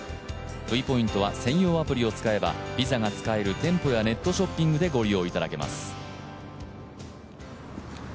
Ｖポイントは専用アプリを使えばＶｉｓａが使える店舗やネットショッピングでご利用いただけます。